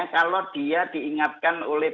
kalau dia diingatkan oleh